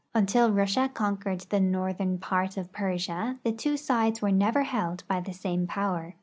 Until Russia conquered the northern part of Persia, the two sides were never held by the same power.